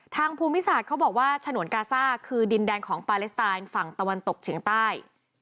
ภูมิศาสตร์เขาบอกว่าฉนวนกาซ่าคือดินแดนของปาเลสไตน์ฝั่งตะวันตกเฉียงใต้